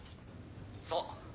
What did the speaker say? そう。